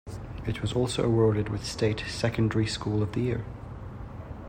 It was also awarded with State 'Secondary School of the Year'.